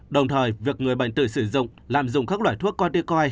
đồng thời việc người bệnh tự sử dụng làm dùng các loại thuốc corticoin